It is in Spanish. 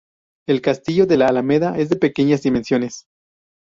El castillo de la Alameda es de pequeñas dimensiones.